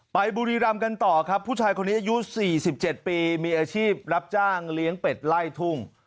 บุรีรำกันต่อครับผู้ชายคนนี้อายุ๔๗ปีมีอาชีพรับจ้างเลี้ยงเป็ดไล่ทุ่ง